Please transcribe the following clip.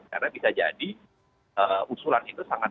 karena bisa jadi usulan itu sangat